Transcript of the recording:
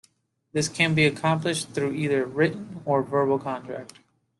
This can be accomplished through either a written or verbal contract.